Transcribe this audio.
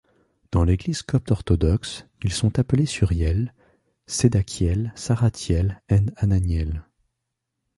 Dans l'Église copte orthodoxe, ils sont appelés Suriel, Sedakiel, Sarathiel and Ananiel.